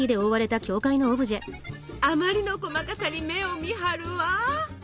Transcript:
あまりの細かさに目をみはるわ。